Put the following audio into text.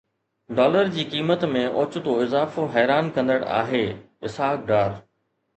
dollar جي قيمت ۾ اوچتو اضافو حيران ڪندڙ آهي: اسحاق ڊار